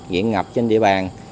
nhiện ngập trên địa bàn